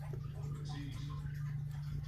εξήγησε.